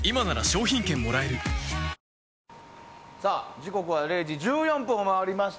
時刻は０時１４分を回りまして